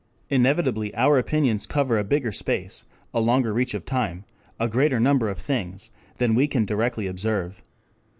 Inevitably our opinions cover a bigger space, a longer reach of time, a greater number of things, than we can directly observe.